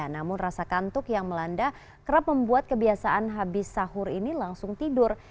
namun rasa kantuk yang melanda kerap membuat kebiasaan habis sahur ini langsung tidur